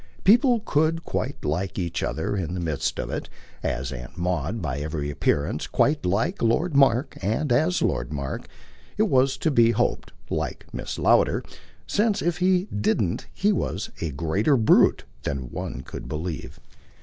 People could quite like each other in the midst of it, as Aunt Maud, by every appearance, quite liked Lord Mark, and as Lord Mark, it was to be hoped, liked Mrs. Lowder, since if he didn't he was a greater brute than one could believe.